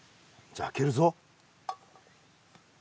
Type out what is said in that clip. じゃ開けるぞ。